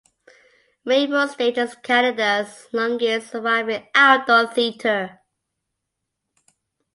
Rainbow Stage is Canada's longest-surviving outdoor theatre.